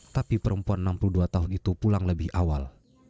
tapi perempuan enam puluh dua tahun itu pulang lebih awal